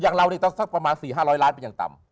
อย่างเราเนี่ยจะซักประมาณ๔๕ร้อยล้านเป็นอย่างต่ำ